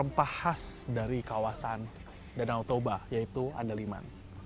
dan perempah khas dari kawasan danau toba yaitu andaliman